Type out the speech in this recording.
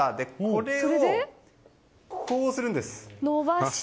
これをこうするんです。